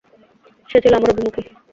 সে ছিল আমার অভিমুখী।